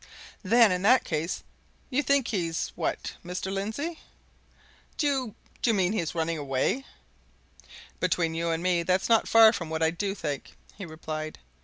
"Then in that case, you think he's what, Mr. Lindsey?" I asked. "Do you mean he's running away?" "Between you and me, that's not far from what I do think," he replied.